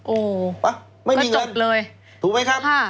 โอ้ไม่มีเงินถูกไหมครับ